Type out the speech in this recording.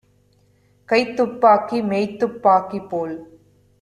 கைத்துப் பாக்கி மெய்த்துப் பாக்கிபோல்